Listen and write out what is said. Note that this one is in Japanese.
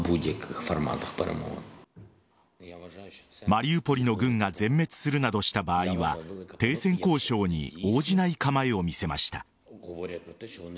マリウポリの軍が全滅するなどした場合は停戦交渉に応じない構えを見せました。